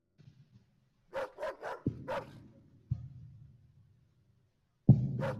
এই গানের জন্য দলটি পাঁচটি মিউজিক শো ট্রফি লাভ করে।